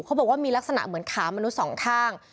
เขาบอกว่ามีลักษณะเหมือนขามนุษย์สองข้าง